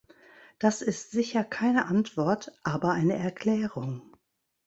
Das ist sicher keine Antwort, aber eine Erklärung.